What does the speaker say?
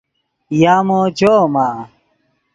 یامو چویمآ؟